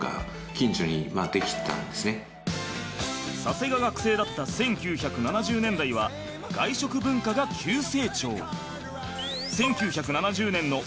佐瀬が学生だった１９７０年代は外食文化が急成長。